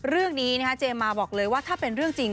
เรื่องนี้เจมมาบอกเลยว่าถ้าเป็นเรื่องจริง